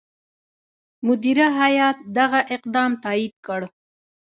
مدیره هیات دغه اقدام تایید کړ.